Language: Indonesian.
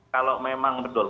kalau memang betul